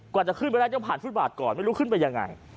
กว่าจะขึ้นไปได้ต้องผ่านฟุตบาทก่อนไม่รู้ขึ้นไปยังไง